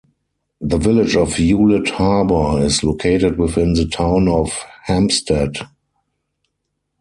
The Village of Hewlett Harbor is located within the Town of Hempstead.